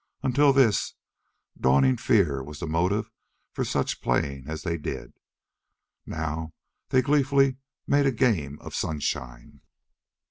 Until this, dawning fear was the motive for such playing as they did. Now they gleefully made a game of sunshine.